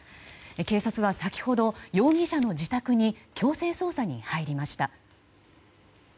警察は先ほど、容疑者の自宅に強制捜査に入りました。